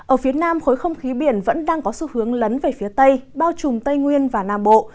ở phía nam khối không khí biển vẫn đang có xu hướng lấn về phía tây bao trùm tây nguyên và nam bộ